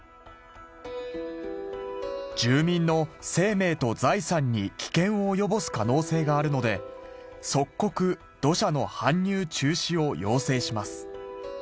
「住民の生命と財産に危険を及ぼす可能性があるので即刻土砂の搬入中止を要請します」